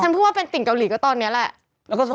ฉันพูดว่าเป็นติ่งเกาหลีก็ตอนเนี่ยแหละ